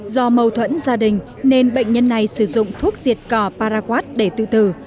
do mâu thuẫn gia đình nên bệnh nhân này sử dụng thuốc diệt cỏ paraguat để tự tử